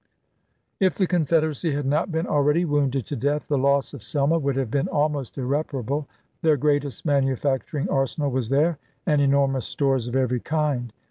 If the Confederacy had not been already wounded to death, the loss of Selma would have been almost irreparable ; their greatest manufacturing arsenal was there, and enormous stores of every kind.